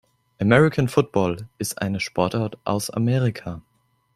American Football ist eine Sportart aus Amerika.